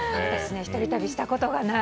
１人旅したことがない。